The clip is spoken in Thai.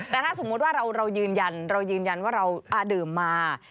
แต่ถ้าสมมุติว่าเรายืนยันเรายืนยันว่าเราดื่มมา